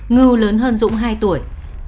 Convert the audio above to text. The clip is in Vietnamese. ngưu lớn hơn dũng hai tuổi